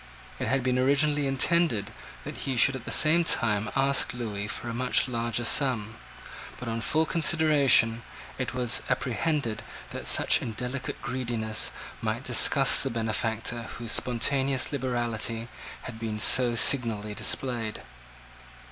It had been originally intended that he should at the same time ask Lewis for a much larger sum; but, on full consideration, it was apprehended that such indelicate greediness might disgust the benefactor whose spontaneous liberality had been so signally displayed.